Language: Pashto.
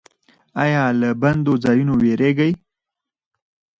ایا له بندو ځایونو ویریږئ؟